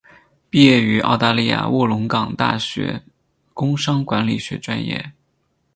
毕业于澳大利亚卧龙岗大学工商管理学专业。